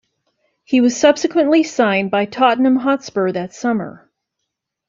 He was subsequently signed by Tottenham Hotspur that summer.